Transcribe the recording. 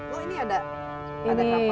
oh ini ada kapal ya